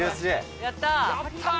やったあ。